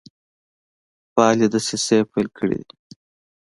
فعالي دسیسې پیل کړي وې.